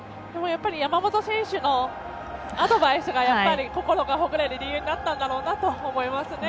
山本選手のアドバイスが心がほぐれる理由だったんだろうなと思います。